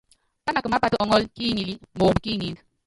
Pánaka mápát ɔŋɔ́l ki iŋilí moomb ki ŋínd.